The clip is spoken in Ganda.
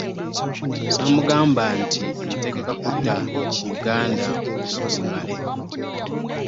Ssaamugamba nti ntegeka kudda Uganda mu nnaku mbale.